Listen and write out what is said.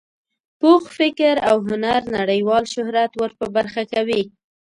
پوخ فکر او هنر نړیوال شهرت ور په برخه کوي.